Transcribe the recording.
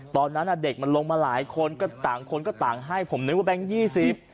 ตอนนั้นเด็กมันลงมาหลายคนต่างคนก็ต่างให้ผมนึกว่าแบงค์๒๐